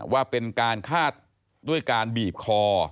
ว่าเป็นการฆาตด้วยการบีบคอ